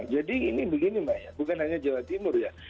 jadi ini begini mbak ya bukan hanya jawa timur ya